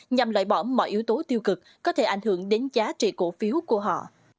nhằm loại bỏ mọi yếu tố tiêu cực có thể ảnh hưởng đến giá trị cổ phiếu của họ